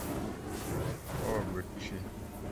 ওহ, বুঝছি।